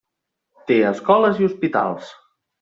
Té escoles i hospitals.